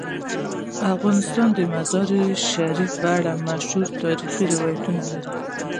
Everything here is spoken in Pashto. افغانستان د مزارشریف په اړه مشهور تاریخی روایتونه لري.